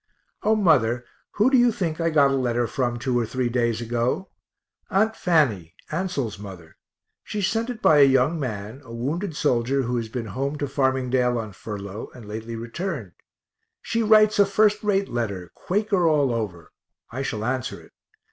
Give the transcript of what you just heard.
O mother, who do you think I got a letter from, two or three days ago? Aunt Fanny, Ansel's mother she sent it by a young man, a wounded soldier who has been home to Farmingdale on furlough, and lately returned. She writes a first rate letter, Quaker all over I shall answer it.